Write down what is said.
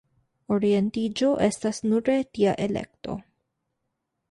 Orientiĝo estas nure tia elekto.